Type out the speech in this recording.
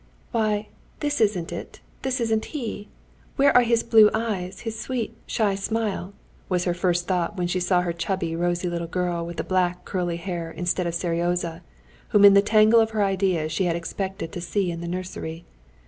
"Why, this isn't it, this isn't he! Where are his blue eyes, his sweet, shy smile?" was her first thought when she saw her chubby, rosy little girl with her black, curly hair instead of Seryozha, whom in the tangle of her ideas she had expected to see in the nursery.